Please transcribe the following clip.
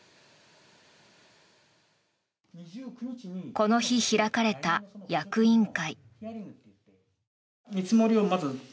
この日開かれた役員会。